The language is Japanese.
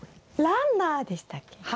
ランナーでしたっけ？